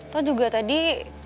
toh juga tadi